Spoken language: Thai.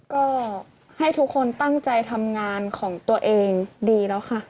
ก็ให้ทุกคนตั้งใจทำงานของตัวเองดีแล้วค่ะ